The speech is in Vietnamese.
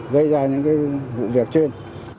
gây ra những cái vụ việc trên